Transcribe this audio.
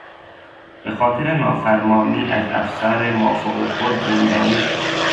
بهخاطر نافرمانی از افسر مافوق خود زندانی شد.